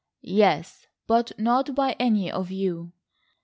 "Yes, but not by any of you."